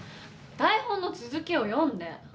台本の続きを読んで。